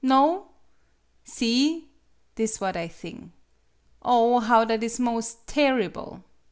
No? See! This what I thing. Oh, how that is mos' tarrible